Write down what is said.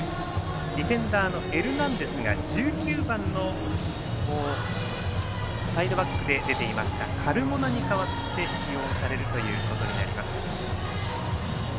ディフェンダーのエルナンデスが１９番のサイドバックで出ていましたカルモナに代わって起用されることになります。